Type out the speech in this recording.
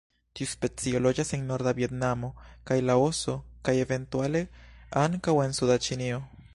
Tiu specio loĝas en norda Vjetnamo kaj Laoso, kaj eventuale ankaŭ en suda Ĉinio.